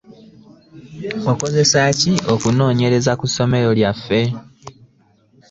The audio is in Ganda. Okozesaaki okunonyereza ku somero lyaffe?